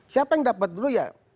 siapa yang dapat dulu ya